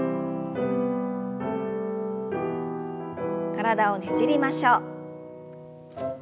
体をねじりましょう。